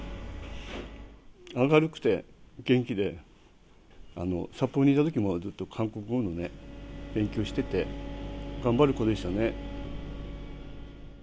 明るくて元気で、札幌にいたときも、ずっと韓国語のね、勉強してて、頑張る子でしたね。